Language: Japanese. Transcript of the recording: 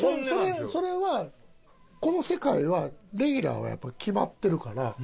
それはこの世界はレギュラーはやっぱり決まってるから。